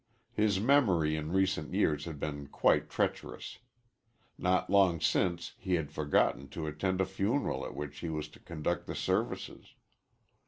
His memory in recent years had been quite treacherous. Not long since he had forgotten to attend a funeral at which he was to conduct the services.